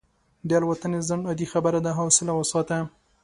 د الوتنې ځنډ عادي خبره ده، حوصله وساته.